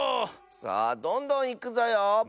さあどんどんいくぞよ！